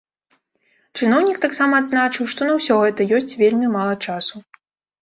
Чыноўнік таксама адзначыў, што на ўсё гэта ёсць вельмі мала часу.